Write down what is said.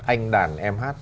anh đàn em hát